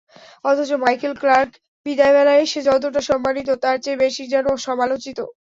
অথচ Michael Clarke বিদায়বেলায় এসে যতটা সম্মানিত, তার চেয়ে বেশি যেন সমালোচিত।